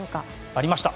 ありました！